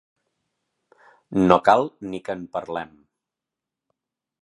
No cal ni que en parlem.